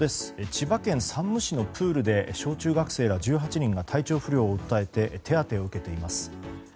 千葉県山武市のプールで小中学生ら１８人が体調不良を訴えて手当てを受けています。